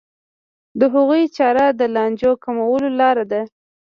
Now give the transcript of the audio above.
د هغوی چاره د لانجو کمولو لاره ده.